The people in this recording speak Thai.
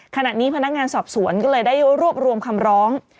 ขณะนี้พนักงานสอบสวนก็เลยได้รวบรวมคำร้อง